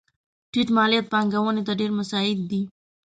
ټیټ مالیات پانګونې ته ډېر مساعد دي.